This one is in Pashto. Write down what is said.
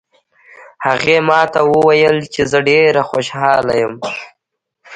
هغې ما ته وویل چې زه ډېره خوشحاله یم